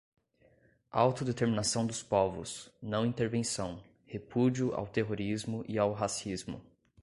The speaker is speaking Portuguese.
autodeterminação dos povos; não-intervenção; repúdio ao terrorismo e ao racismo;